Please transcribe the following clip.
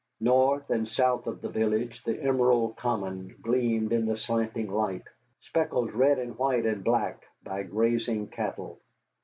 North and south of the village the emerald common gleamed in the slanting light, speckled red and white and black by grazing cattle.